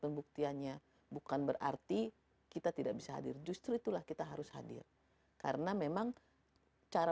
pembuktiannya bukan berarti kita tidak bisa hadir justru itulah kita harus hadir karena memang cara